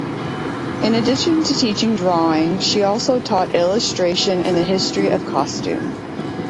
In addition to teaching drawing she also taught illustration and the history of costume.